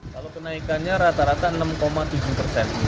kalau kenaikannya rata rata enam tujuh persen